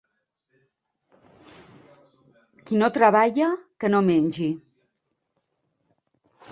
Qui no treballa que no mengi.